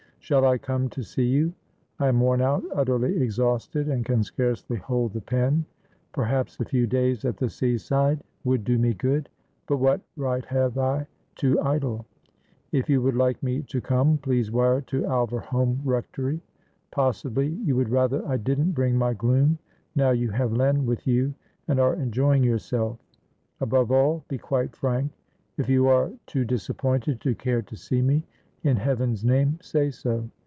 Shall I come to see you? I am worn out, utterly exhausted, and can scarcely hold the pen. Perhaps a few days at the sea side would do me good, but what right have I to idle? If you would like me to come, please wire to Alverholme Rectory. Possibly you would rather I didn't bring my gloom, now you have Len with you and are enjoying yourself. Above all, be quite frank. If you are too disappointed to care to see me, in heaven's name, say so!